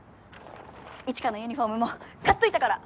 一華のユニフォームも買っといたから！